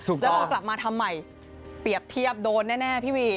แล้วพอกลับมาทำใหม่เปรียบเทียบโดนแน่พี่วี